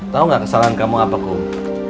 tau gak kesalahan kamu apa kum